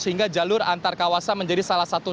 sehingga jalur antar kawasan menjadi salah satu